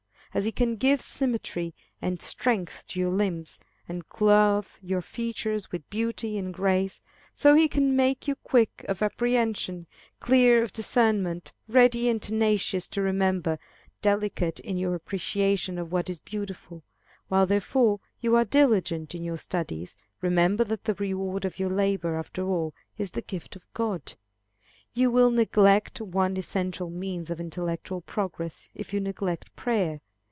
As he can give symmetry and strength to your limbs, and clothe your features with beauty and grace, so he can make you quick of apprehension, clear of discernment, ready and tenacious to remember, delicate in your appreciation of what is beautiful. While, therefore, you are diligent in your studies, remember that the reward of your labor, after all, is the gift of God. You will neglect one essential means of intellectual progress, if you neglect prayer.